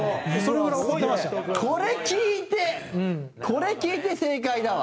これ、聞いてこれ、聞いて、正解だわ。